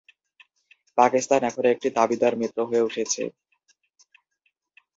পাকিস্তান এখন একটি দাবিদার মিত্র হয়ে উঠেছে।